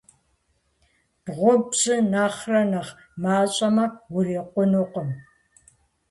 Бгъу-пщӀы нэхърэ нэхъ мащӀэмэ, урикъунукъым.